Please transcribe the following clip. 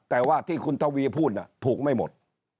แต่ว่าที่คุณทวีพูดถูกไม่หมด